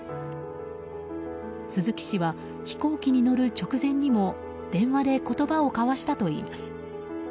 鈴木氏は飛行機に乗る直前にも電話で言葉を交わしたといいます。